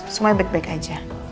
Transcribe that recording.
semua baik baik aja